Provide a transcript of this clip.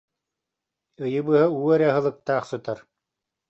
Ыйы быһа уу эрэ аһылыктаах сытар